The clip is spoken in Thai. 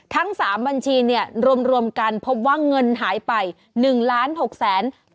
ทั้ง๓บัญชีเนี่ยรวมกันพบว่าเงินหายไป๑๖๘๒๗๐๗บาทค่ะ